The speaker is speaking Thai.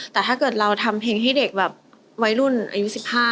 แต่ถ้าเกิดเราทำเพลงให้เด็กแบบวัยรุ่นอายุ๑๕